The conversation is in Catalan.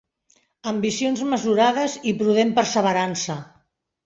Ambicions mesurades, i prudent perseverança.